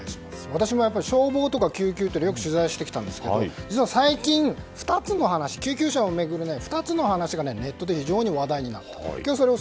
私も消防とか救急をよく取材してきたんですが実は最近救急車を巡る２つの話がネットで非常に話題になりました。